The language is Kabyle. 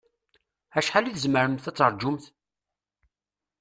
Acḥal i tzemremt ad taṛǧumt?